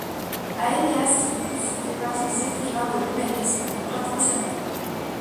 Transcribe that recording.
Aeneas Sylvius fait partie des écrivains de l'humanisme du Quattrocento.